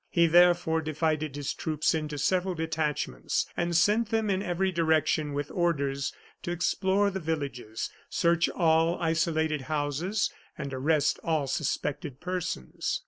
He, therefore, divided his troops into several detachments, and sent them in every direction with orders to explore the villages, search all isolated houses, and arrest all suspected persons.